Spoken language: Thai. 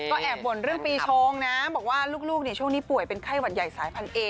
ก็แอบบ่นเรื่องปีชงนะบอกว่าลูกช่วงนี้ป่วยเป็นไข้หวัดใหญ่สายพันเอ